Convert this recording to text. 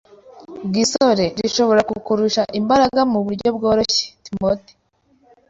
gisore rishobora kukurusha imbaraga mu buryo bworoshye Timoteyo